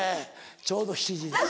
ちょうど７時です。